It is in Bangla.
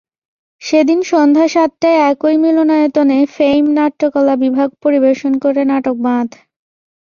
সেদিন সন্ধ্যা সাতটায় একই মিলনায়তনে ফেইম নাট্যকলা বিভাগ পরিবেশন করে নাটক বাঁধ।